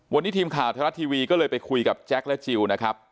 วันนี้ทีมข่าวไทยรัฐทีวีก็เลยไปคุยกับแจ็คและจิลนะครับ